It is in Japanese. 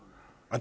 私。